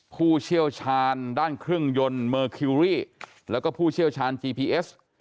ผู้เชี่ยวชาญด้านเครื่องยนต์เมอร์คิวรี่แล้วก็ผู้เชี่ยวชาญจีพีเอส